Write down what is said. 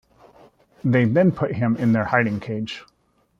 They then put him in their hiding cage.